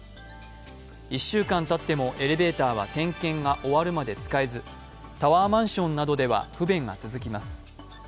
１週間たってもエレベーターは点検が終わるまで使えずタワーマンションなどでは不便が続きます。